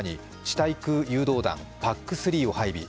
対空誘導弾、ＰＡＣ３を配備。